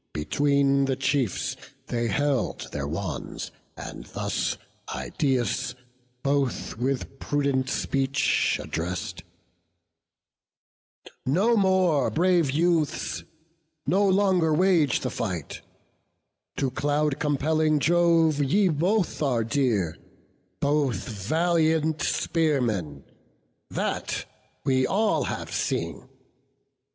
Between the chiefs they held their wands, and thus Idaeus both with prudent speech address'd: "No more, brave youths! no longer wage the fight: To cloud compelling Jove ye both are dear, Both valiant spearmen; that, we all have seen.